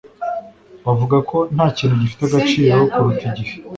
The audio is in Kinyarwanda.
Bavuga ko ntakintu gifite agaciro kuruta igihe